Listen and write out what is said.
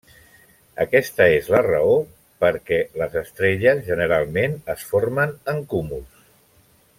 Aquesta és la raó per què les estrelles generalment es formen en cúmuls.